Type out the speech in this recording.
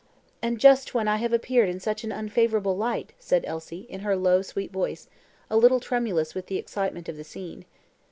"And just when I have appeared in such an unfavourable light," said Elsie, in her low, sweet voice, a little tremulous with the excitement of the scene.